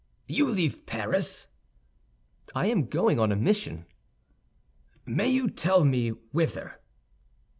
"You leave Paris?" "I am going on a mission." "May you tell me whither?"